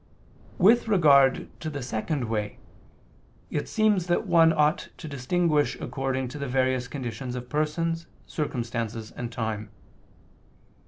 With regard to the second way, it seems that one ought to distinguish according to the various conditions of persons, circumstances and time.